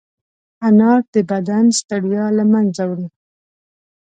انار د بدن ستړیا له منځه وړي.